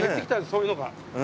そういうのが。